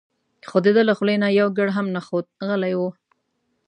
خو دده له خولې نه یو ګړ هم نه خوت غلی و.